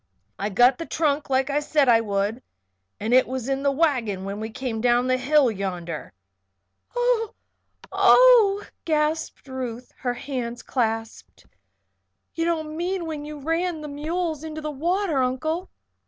"I got the trunk like I said I would and it was in the wagon when we came down the hill yonder. "Oh, oh!" gasped Ruth, her hands clasped. "You don't mean when you ran the mules into the water, Uncle?"